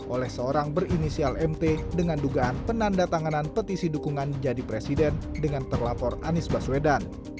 oleh seorang berinisial mt dengan dugaan penanda tanganan petisi dukungan jadi presiden dengan terlapor anies baswedan